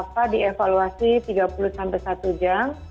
saya sudah dievaluasi tiga puluh sampai satu jam